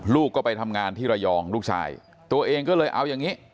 ลูกก็ไปทำงานที่ระยองลูกชายตัวเองก็เลยเอาอย่างนี้